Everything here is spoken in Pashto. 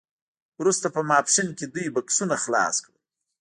وروسته په ماسپښین کې دوی بکسونه خلاص کړل